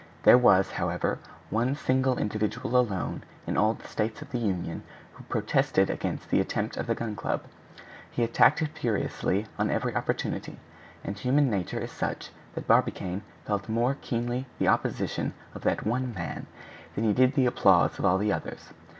There was, however, one single individual alone in all the States of the Union who protested against the attempt of the Gun Club. He attacked it furiously on every opportunity, and human nature is such that Barbicane felt more keenly the opposition of that one man than he did the applause of all the others.